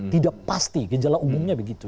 tidak pasti gejala umumnya begitu